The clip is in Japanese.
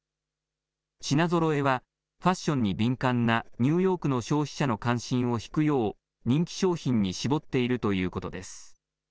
品ぞろえはファッションに敏感なニューヨークの消費者の関心を引くよう、人気商品に絞っているということです。